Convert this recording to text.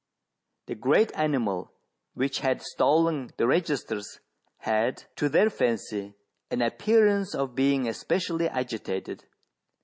The great animal which had stolen the regis ters had, to their fancy, an appearance of being espe cially agitated.